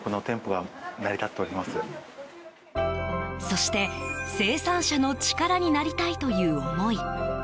そして、生産者の力になりたいという思い。